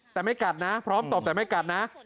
แต่ไม่กัดนะพร้อมตบแต่ไม่กัดนะ